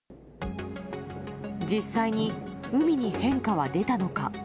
実際に海に変化は出たのか。